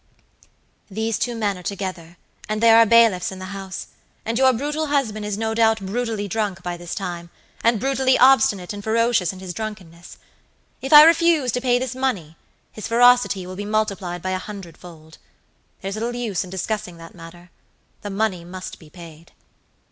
"These two men are together, and there are bailiffs in the house, and your brutal husband is no doubt brutally drunk by this time, and brutally obstinate and ferocious in his drunkenness. If I refuse to pay this money his ferocity will be multiplied by a hundredfold. There's little use in discussing that matter. The money must be paid."